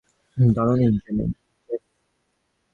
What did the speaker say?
দারুণ engineering, Jeff.